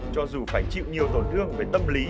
cho dù phải chịu nhiều tổn thương về tâm lý